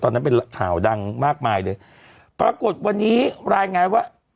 นั้นเป็นข่าวดังมากมายเลยปรากฏวันนี้รายงานว่า